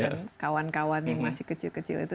dan kawan kawan yang masih kecil kecil itu